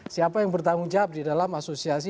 siapa yang bertanggung jawab di dalam asosiasi